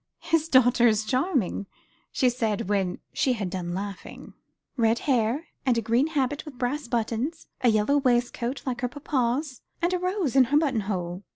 "His daughter is charming," she cried, when she had done laughing; "red hair, and a green habit with brass buttons, a yellow waistcoat like her papa's, and a rose in her button hole.